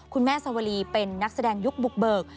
สวรีเป็นนักแสดงยุคบุกเบิก